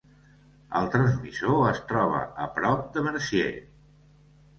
El transmissor es troba a prop de Mercier.